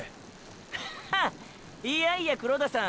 はっいやいや黒田さん？